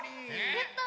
やった！